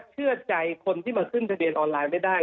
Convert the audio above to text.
เชื่อใจคนที่มาขึ้นทะเบียนออนไลน์ไม่ได้